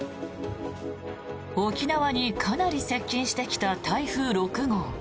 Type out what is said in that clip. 沖縄にかなり接近してきた台風６号。